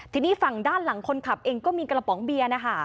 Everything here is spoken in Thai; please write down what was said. ทีนี้ฝั่งด้านหลังคนขับเองก็มีกระป๋องเบียร์นะคะ